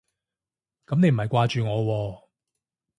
噉你唔係掛住我喎